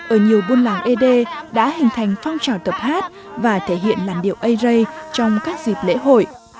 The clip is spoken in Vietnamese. ở nhiều buôn làng ế đê đã hình thành phong trào tập hát và thể hiện làn điệu ây rây trong các dịp lễ hội